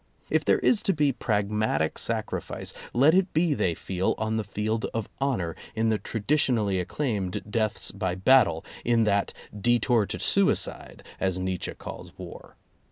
If there is to be pragmatic sacrifice, let it be, they feel, on the field of honor, in the traditionally acclaimed deaths by battle, in that detour to suicide, as Nietzsche calls war.